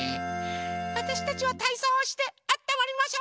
あたしたちはたいそうをしてあったまりましょ！